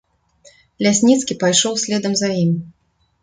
Лясніцкі пайшоў следам за ім.